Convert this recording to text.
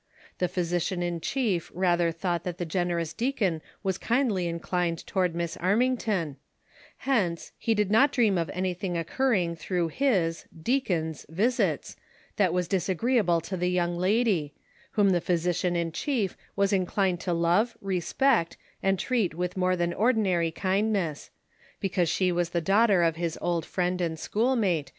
The physician in chief rather thouglit that the generous deacon was kindly inclined toward Miss Armington ; hence, he did not dream of anything occurring through his (deacon's) visits that was disagreeable to the young lady, whom the physician in chief was inclined to love, respect, and treat with more than ordinary kindness ; because she was the daughter of his old friend and school mate.